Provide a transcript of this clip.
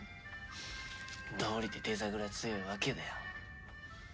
どうりでデザグラ強いわけだよ。